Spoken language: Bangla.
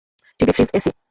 TV, fridge, AC!